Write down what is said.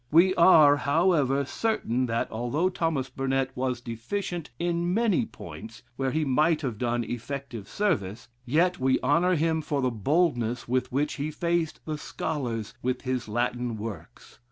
We are, however, certain that although Thomas Burnet was deficient in many points where he might have done effective service, yet we honor him for the boldness with which he faced the scholars with his Latin works.